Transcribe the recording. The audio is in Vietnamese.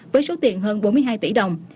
với số tiền hơn bốn mươi hai tỷ đồng